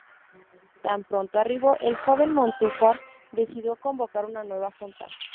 Tan pronto arribó, el joven Montúfar decidió convocar una nueva junta.